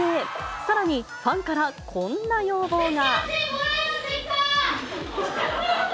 さらにファンからこんな要望が。